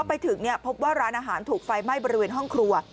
ไปถึงพบว่าร้านอาหารถูกไฟไหม้บริเวณห้องครัว